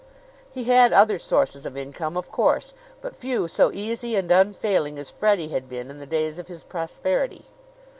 He had other sources of income, of course; but few so easy and unfailing as Freddie had been in the days of his prosperity.